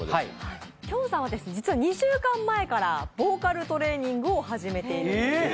きょんさんは実は２週間前からボーカルトレーニングを初めているんですね。